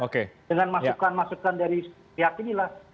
dengan masukan masukan dari pihak inilah